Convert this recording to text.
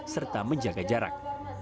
serta menjaga jarak